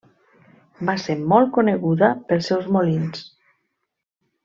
Va ser molt coneguda pels seus molins.